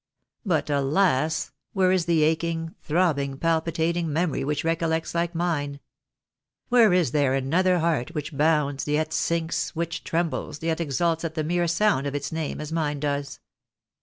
But alas ! where is the aching, throbbing, palpitating memory which recollects like mine ? Where is there another heart which bounds, yet sinks, which trembles, yet exults at the mere sound of its name, as mine does